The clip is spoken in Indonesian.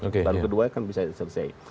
dan tahun kedua kan bisa diselesai